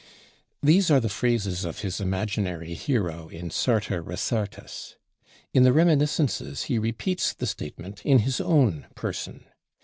These are the phrases of his imaginary hero in 'Sartor Resartus.' In the 'Reminiscences' he repeats the statement in his own person.